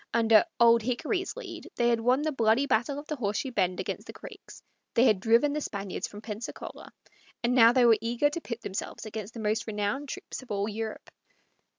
Under "Old Hickory's" lead they had won the bloody battle of the Horseshoe Bend against the Creeks; they had driven the Spaniards from Pensacola; and now they were eager to pit themselves against the most renowned troops of all Europe.